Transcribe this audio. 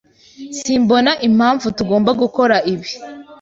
Simbona impamvu tugomba gukora ibi.